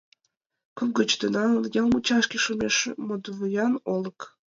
Куп гыч тӱҥалын, ял мучашке шумеш мӧдывуян олык.